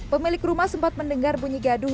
pemilik rumah sempat mendengar bunyi gaduh